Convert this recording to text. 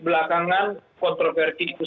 belakangan kontroversi itu